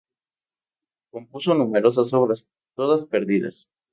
Compuso numerosas obras, todas perdidas.